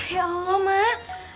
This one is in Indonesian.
ya allah mak